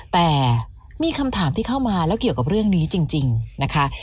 แต่มีคำถามที่เข้ามาแล้วเกี่ยวกับเรื่องนี้จริงนะคะ